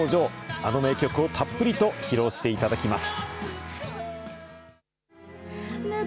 あの名曲をたっぷりと披露していただきます。